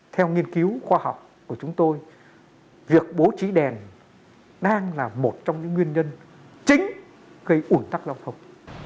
theo nghiên cứu khoa học của chúng tôi việc bố trí đèn đang là một trong những nguyên nhân chính gây ủn tắc giao thông